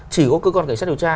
chỉ có cơ quan cảnh sát điều tra